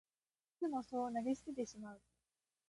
いつもそう投げ捨ててしまう